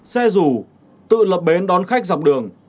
xe rù tự lập bến đón khách dọc đường